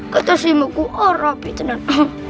gak tersimuk gua rapi tenang